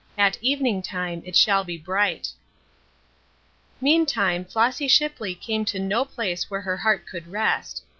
"AT EVENING TIME IT SHALL BE BRIGHT." Meantime Flossy Shipley came to no place where her heart could rest.